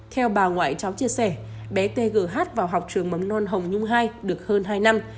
theo bà ngoại cháu chia sẻ bé tê gỡ hát vào học trường mắm non hồng nhung hai được hơn hai năm